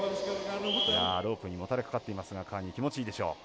ロープにもたれかかっていますがカーニー、気持ちいいでしょう。